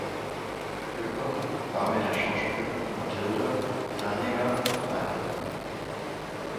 Crüger war mit der Schauspielerin Mathilde Danegger verheiratet.